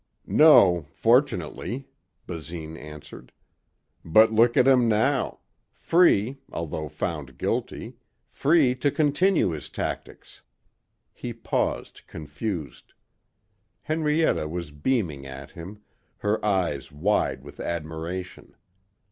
"No, fortunately," Basine answered. "But look at him now. Free, although found guilty, free to continue his tactics." He paused confused. Henrietta was beaming at him, her eyes wide with admiration.